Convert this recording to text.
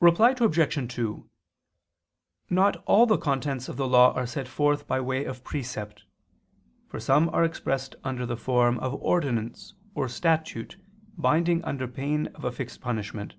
Reply Obj. 2: Not all the contents of the law are set forth by way of precept; for some are expressed under the form of ordinance or statute binding under pain of a fixed punishment.